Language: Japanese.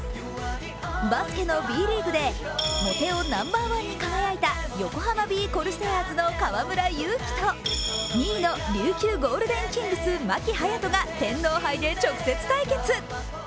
バスケのＢリーグでモテ男ナンバーワンに輝いた横浜ビー・コルセアーズの河村勇輝と２位の琉球ゴールデンキングス牧隼利が天皇杯で直接対決。